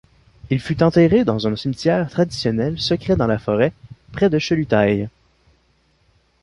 Il fut enterré dans un cimetière traditionnel secret dans la forêt, près de Chelutai.